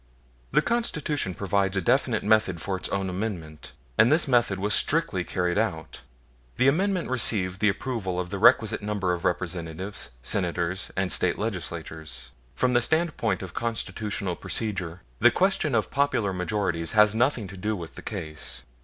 The Constitution provides a definite method for its own amendment, and this method was strictly carried out the Amendment received the approval of the requisite number of Representatives, Senators and State Legislatures; from the standpoint of Constitutional procedure the question of popular majorities has nothing to do with the case.